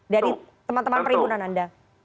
dari teman teman perimpunan anda